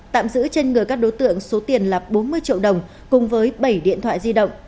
tạm giữ trên người các đối tượng số tiền là bốn mươi triệu đồng cùng với bảy điện thoại di động